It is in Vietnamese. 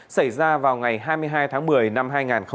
xảy ra vào ngày hai mươi hai tháng một mươi năm hai nghìn hai mươi một